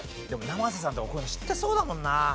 でも生瀬さんとかこういうの知ってそうだもんな。